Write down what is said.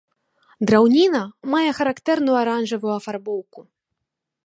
Драўніна мае характэрную аранжавую афарбоўку.